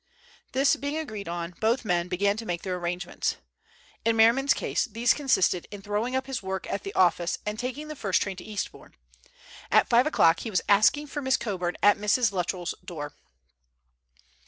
This being agreed on, both men began to make their arrangements. In Merriman's case these consisted in throwing up his work at the office and taking the first train to Eastbourne. At five o'clock he was asking for Miss Coburn at Mrs. Luttrell's door.